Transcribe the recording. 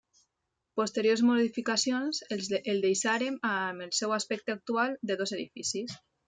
Posteriors modificacions el deixaren amb el seu aspecte actual de dos edificis.